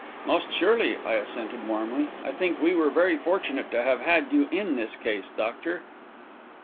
"Most surely!" I assented warmly. "I think we were very fortunate to have had you in this case, doctor."